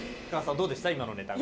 どうでした？